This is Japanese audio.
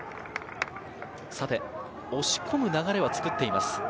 押し込む流れは作っています。